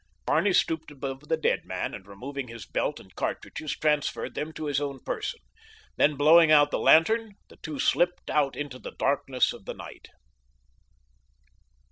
Barney stooped above the dead man, and removing his belt and cartridges transferred them to his own person. Then blowing out the lantern the two slipped out into the darkness of the night.